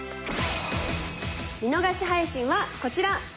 見逃し配信はこちら！